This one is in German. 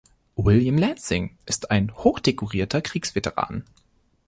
William Lansing ist ein hochdekorierter Kriegsveteran.